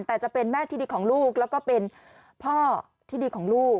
แต่จะเป็นแม่ที่ดีของลูกแล้วก็เป็นพ่อที่ดีของลูก